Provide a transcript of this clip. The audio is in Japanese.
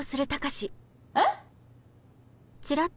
えっ？